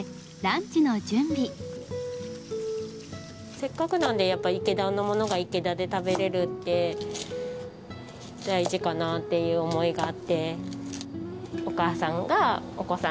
せっかくなのでやっぱり池田のものが池田で食べられるって大事かなっていう思いがあって。